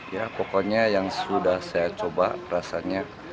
ya pokoknya yang sudah saya coba rasanya